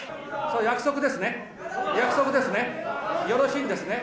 約束ですね？